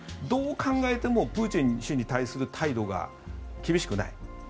どう考えてもプーチン氏に対する態度が厳しくない。